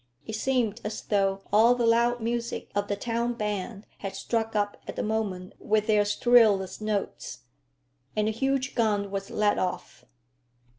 It seemed as though all the loud music of the town band had struck up at the moment with their shrillest notes. And a huge gun was let off.